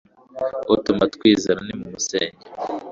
utuma twizera nimumusenge